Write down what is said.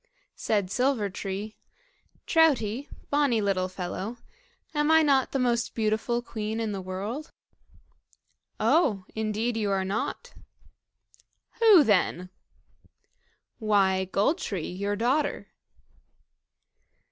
Said Silver tree, "Troutie, bonny little fellow, am not I the most beautiful queen in the world?" "Oh! indeed you are not." "Who then?" "Why, Gold tree, your daughter."